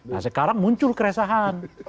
nah sekarang muncul keresahan